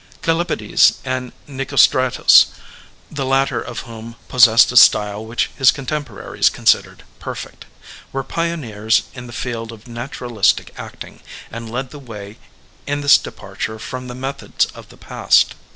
Kallipedes and Nicostratus — the latter of whom pos sessed a style which his contemporaries considered perfect — ^were pioneers in the field of naturalistic acting and led the way in this departure from the methods of the past.